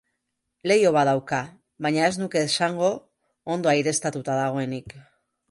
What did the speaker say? Leiho bat dauka, baina ez nuke esango ondo aireztatuta dagoenik.